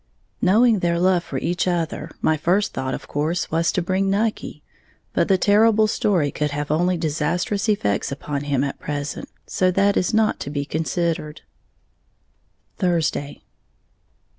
Knowing their love for each other, my first thought of course was to bring Nucky; but the terrible story could have only disastrous effects upon him at present, so that is not to be considered. _Thursday.